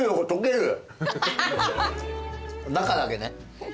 中だけね。